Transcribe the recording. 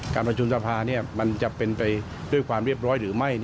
การประชุมสภามันจะเป็นไปด้วยความเรียบร้อยหรือไม่